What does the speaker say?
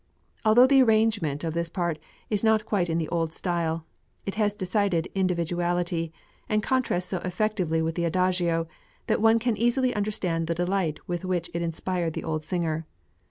Although the arrangement of this part is quite in the old style, it has decided individuality, and contrasts so effectively with the adagio that one can easily understand the delight with which it inspired the old singer.